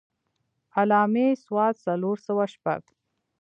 علّامي ص څلور سوه شپږ.